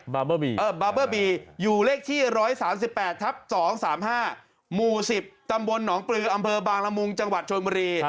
บาร์เบอร์บีอยู่เลขที่๑๓๘ทับ๒๓๕หมู่๑๐ตำบลหนองปลืออำเภอบางละมุงจังหวัดชนบุรี